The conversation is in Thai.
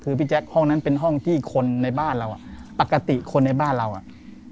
คือพี่แจ๊คห้องนั้นเป็นห้องที่คนในบ้านเราอ่ะปกติคนในบ้านเราอ่ะ